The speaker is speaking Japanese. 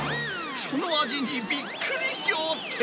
その味にびっくり仰天。